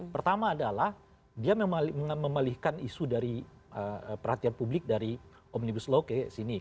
pertama adalah dia memalihkan isu dari perhatian publik dari omnibus law ke sini